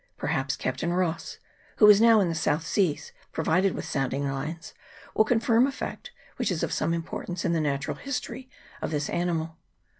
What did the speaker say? Perhaps Captain Ross, who is now in the South Seas provided with sounding lines, will confirm a fact which is of some importance in the natural history of this animal.